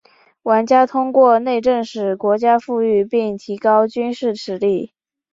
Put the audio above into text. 玩家通过内政使国家富裕并提高军事实力。